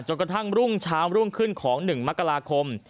กระทั่งรุ่งเช้ารุ่งขึ้นของ๑มกราคม